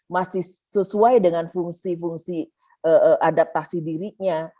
masih sesuai dengan fungsi fungsi adaptasi dirinya